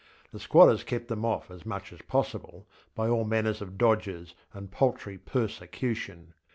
The squatters kept them off as much as possible, by all manner of dodges and paltry persecution.